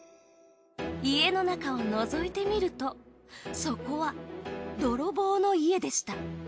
家の中をのぞいてみるとそこは泥棒の家でした。